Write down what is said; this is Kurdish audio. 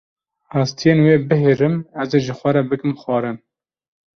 hestiyên wê bihêrim, ez ê ji xwe re bikim xwarin.